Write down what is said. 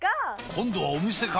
今度はお店か！